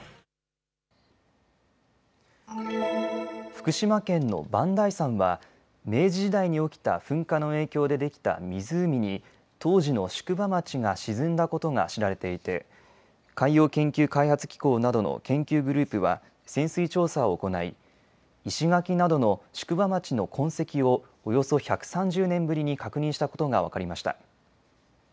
福島県の磐梯山は明治時代に起きた噴火の影響でできた湖に当時の宿場町が沈んだことが知られていて海洋研究開発機構などの研究グループは潜水調査を行い石垣などの宿場町の痕跡をおよそ１３０年ぶりに確認したことが分かりました。